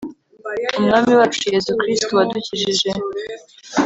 umwami wacu, yezu kristu wadukijije